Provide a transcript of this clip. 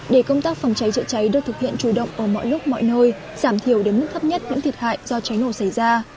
để công tác phòng cháy chữa cháy được thực hiện chủ động ở mọi lúc mọi nơi giảm thiểu đến mức thấp nhất những thiệt hại do cháy nổ xảy ra